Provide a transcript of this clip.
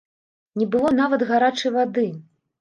Не было нават гарачай вады!